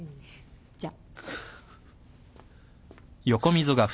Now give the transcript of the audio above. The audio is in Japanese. じゃあ。